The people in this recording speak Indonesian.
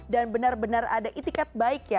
dan benar benar ada itikat baik